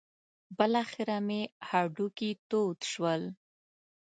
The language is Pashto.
بالاخره مې هډوکي تود شول.